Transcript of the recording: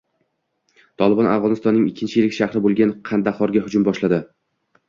«Tolibon» Afg‘onistonning ikkinchi yirik shahri bo‘lgan Qandahorga hujum boshladi